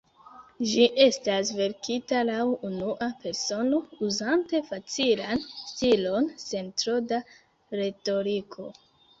Ĝi estas verkita laŭ unua persono, uzante facilan stilon, sen tro da retoriko.